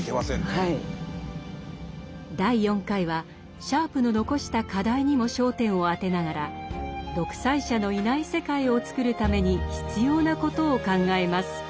第４回はシャープの遺した課題にも焦点を当てながら独裁者のいない世界をつくるために必要なことを考えます。